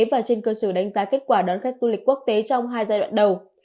và trên cơ sở đánh giá kết quả đón khách du lịch quốc tế trong hai giai đoạn đầu